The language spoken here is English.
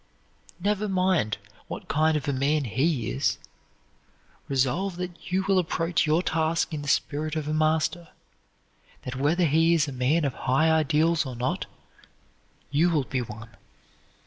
Never mind what kind of a man he is, resolve that you will approach your task in the spirit of a master, that whether he is a man of high ideals or not, you will be one.